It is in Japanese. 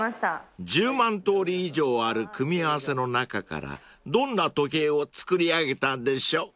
［１０万通り以上ある組み合わせの中からどんな時計を作り上げたんでしょう？］